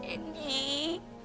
apa yang terjadi